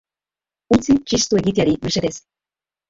Utzi txistu egiteari, mesedez.